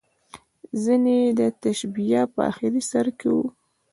ځینې یې د تشبیه په اخري سر کې وو.